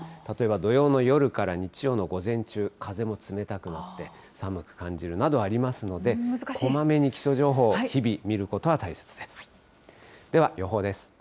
例えば、土曜の夜から日曜の午前中、風も冷たくなって、寒く感じるなどありますので、こまめに気象情報、日々見ることは大切です。